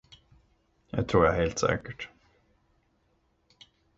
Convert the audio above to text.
Det tror jag helt säkert.